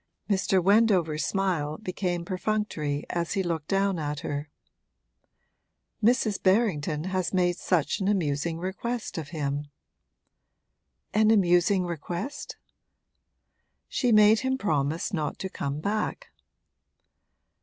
Mr. Wendover's smile became perfunctory as he looked down at her. 'Mrs. Berrington has made such an amusing request of him.' 'An amusing request?' 'She made him promise not to come back.'